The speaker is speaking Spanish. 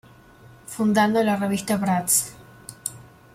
Fundando la Revista Bratz.